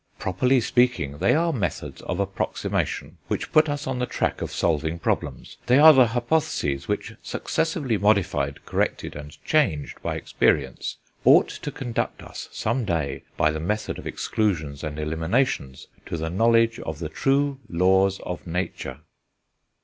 Properly speaking, they are methods of approximation which put us on the track of solving problems; they are the hypotheses which, successively modified, corrected, and changed, by experience, ought to conduct us, some day, by the method of exclusions and eliminations, to the knowledge of the true laws of nature."